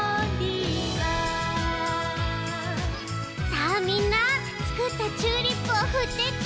さあみんなつくったチューリップをふってち。